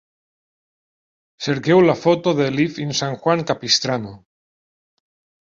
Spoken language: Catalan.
Cerqueu la foto de Live in San Juan Capistrano.